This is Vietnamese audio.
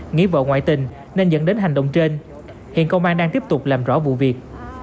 nghĩ vợ ngoại tình nên dẫn đến hành động trên hiện công an đang tiếp tục làm rõ vụ việc